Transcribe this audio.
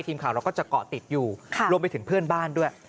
ทีมข่าวเราก็จะเกาะติดอยู่รวมไปถึงเพื่อนบ้านด้วย